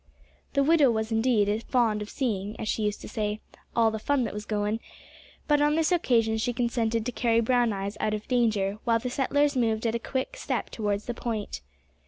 The widow was indeed fond of seeing, as she used to say, "all the fun that was goin'," but on this occasion she consented to carry Brown eyes out of danger while the settlers moved at a quick step towards the point.